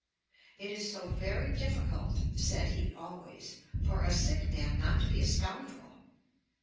"It is so very difficult," said he always, "for a sick man not to be a scoundrel."'